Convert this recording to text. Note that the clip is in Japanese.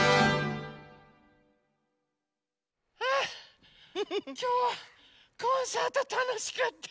あきょうはコンサートたのしかった。